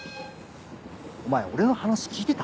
お前俺の話聞いてた？